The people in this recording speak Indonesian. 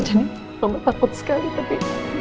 jadi gue takut sekali tapi